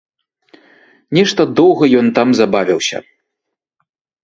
Нешта доўга ён там забавіўся.